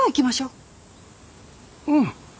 うん！